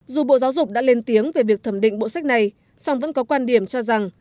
dù bộ giáo dục đã lên tiếng về việc thẩm định bộ sách này song vẫn có quan điểm cho rằng